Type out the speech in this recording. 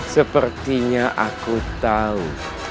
sepertinya aku tahu